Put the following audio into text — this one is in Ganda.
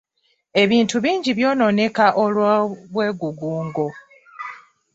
Ebintu bingi by'onooneka olw'obwegugungo.